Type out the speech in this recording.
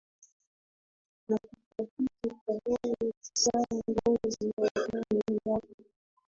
Na kufariki tarehe tisaa mwezi wa kumi mwaka